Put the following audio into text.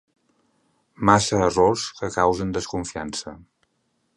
Massa errors que causen desconfiança.